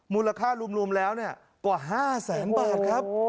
มูลค่ารวมแล้วกว่า๕แสนบาทครับ